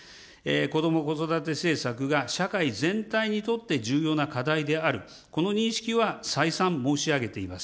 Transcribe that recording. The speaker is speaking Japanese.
こども・子育て政策が社会全体にとって重要な課題である、この認識は再三申し上げています。